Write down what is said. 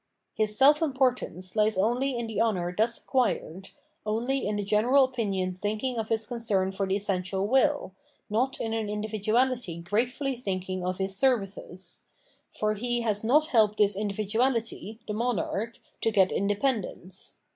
His self importance hes only in the honour thus acquired, only in the general opimon tid ing of his concern for the essential will, not in an indi viduality gratefully thinking of his services; for he has not helped this individuality [the monarch] to get inde pendence.